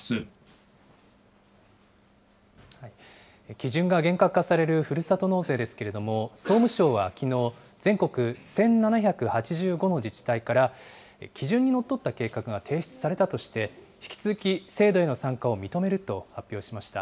基準が厳格化されるふるさと納税ですけれども、総務省はきのう、全国１７８５の自治体から、基準にのっとった計画が提出されたとして、引き続き制度への参加を認めると発表しました。